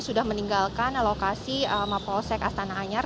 sudah meninggalkan lokasi mapolsek astana anyar